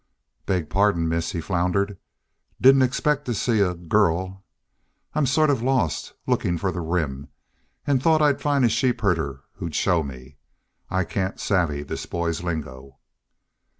"Beg pardon miss," he floundered. "Didn't expect, to see a girl.... I'm sort of lost lookin' for the Rim an' thought I'd find a sheep herder who'd show me. I can't savvy this boy's lingo."